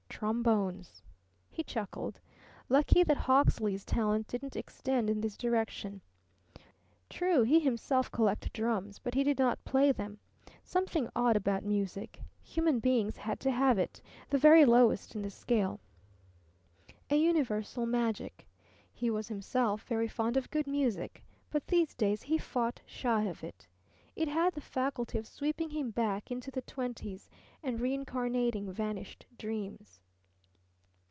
Trombones. He chuckled. Lucky that Hawksley's talent didn't extend in this direction. True, he himself collected drums, but he did not play them. Something odd about music; human beings had to have it, the very lowest in the scale. A universal magic. He was himself very fond of good music; but these days he fought shy of it; it had the faculty of sweeping him back into the twenties and reincarnating vanished dreams.